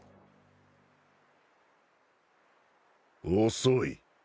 遅い。